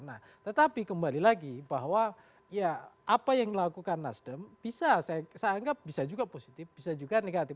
nah tetapi kembali lagi bahwa ya apa yang dilakukan nasdem bisa saya anggap bisa juga positif bisa juga negatif